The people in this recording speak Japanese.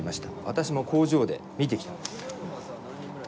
私も工場で見てきたんです。